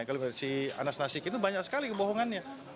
kalau si anas nasik itu banyak sekali kebohongannya